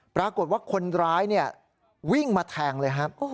ปรากฏว่าคนร้ายวิ่งมาแทงเลยครับ